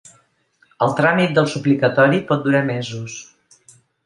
El tràmit del suplicatori pot durar mesos.